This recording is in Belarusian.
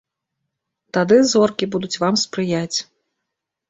Тады зоркі будуць вам спрыяць.